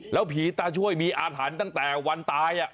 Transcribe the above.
แล้วผีตาช่วยมีอาถรรพ์ตั้งแต่วันตาย